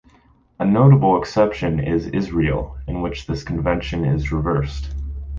A notable exception is Israel, in which this convention is reversed.